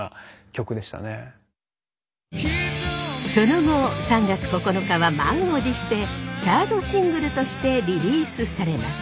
その後「３月９日」は満を持して３ｒｄシングルとしてリリースされます。